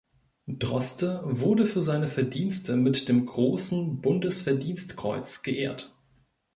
Droste wurde für seine Verdienste mit dem Großen Bundesverdienstkreuz geehrt.